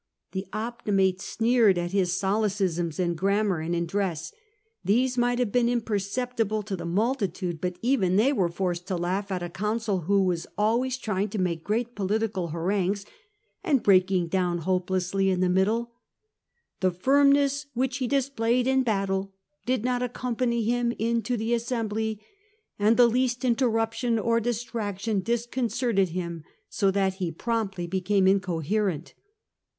The Optimates sneered at his solecisms in grammar and in dress : these might haye been imperceptible to the multitude, but even they were forced to laugh at a consul who was always trying to make great political harangues and breaking down hope lessly in the middle. " The firmness which he displayed in battle did not accompany him into the assembly, and the least interruption or distraction disconcerted him, so that he promptly became incoherent."